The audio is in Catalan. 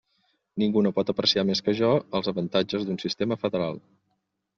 Ningú no pot apreciar més que jo els avantatges d'un sistema federal.